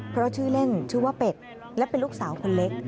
เพราะชื่อเล่นชื่อว่าเป็ดและเป็นลูกสาวคนเล็ก